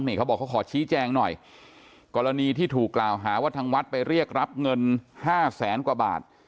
นี่เขาบอกเขาขอชี้แจงหน่อยกรณีที่ถูกกล่าวหาว่าทางวัดไปเรียกรับเงินห้าแสนกว่าบาท